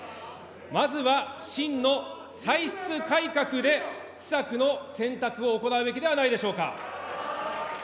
まずは真の歳出改革で、施策の選択を行うべきではないでしょうか。